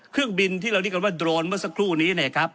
เครื่องบินที่เราเรียกกันว่าโดรนเมื่อสักครู่นี้นะครับ